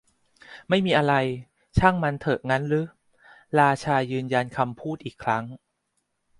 ไม่มีอะไร ช่างมันเถอะงั้นรึ ? ราชายืนยันคำพูดอีกครั้ง